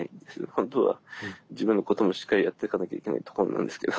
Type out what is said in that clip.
本当は自分のこともしっかりやっていかなきゃいけないところなんですけど。